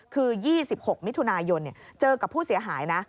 คือ๒๖มิถุนายนเจอกับผู้เสียหายนะ